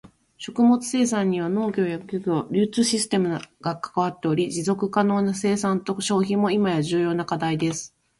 食物生産には農業や漁業、流通システムが関わっており、持続可能な生産と消費も今や重要な課題です。